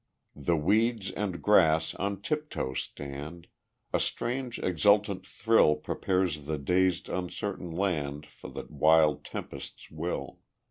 The weeds and grass on tiptoe stand, A strange exultant thrill Prepares the dazed uncertain land For the wild tempest's will.